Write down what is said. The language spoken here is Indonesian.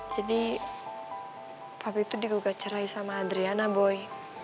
jadi papi tuh digugat cerai sama adriana boy